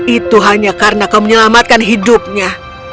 itu hanya karena kau menyelamatkan hidupnya